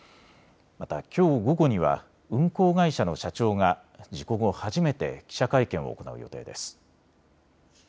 また、きょう午後には運航会社の社長が事故後、初めて記者会見を行う予定です。